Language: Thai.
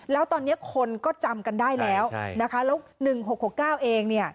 แล้วตอนนี้คนก็จำกันได้แล้วนะคะแล้ว๑๖๖๙เองเนี่ย